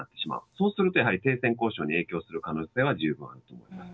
そうすると、やはり停戦交渉に影響する可能性は十分あると思います。